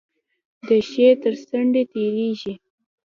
د شی تر څنډو تیریږي.